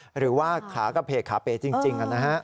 หรือว่าขากระเพกขาเป๋จริง